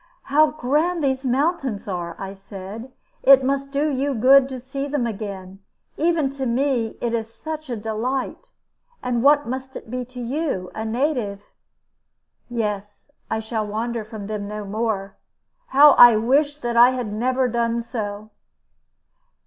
"How grand these mountains are!" I said. "It must do you good to see them again. Even to me it is such a delight. And what must it be to you, a native?" "Yes, I shall wander from them no more. How I wish that I had never done so?"